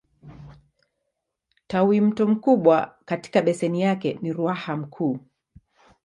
Tawimto mkubwa katika beseni yake ni Ruaha Mkuu.